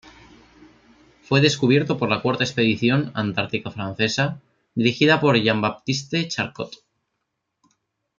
Fue descubierto por la Cuarta Expedición Antártica Francesa, dirigida por Jean-Baptiste Charcot.